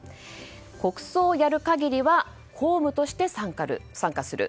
国葬をやる限りは公務として参加する。